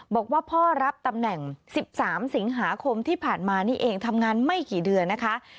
บอกว่าพ่อรับตำแหน่ง๑๓สิงหาคมที่ผ่านมานี่เองทำงานไม่กี่เดือนนะคะ